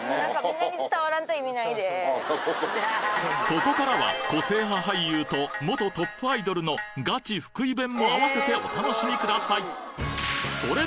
ここからは個性派俳優と元トップアイドルのガチ福井弁もあわせてお楽しみください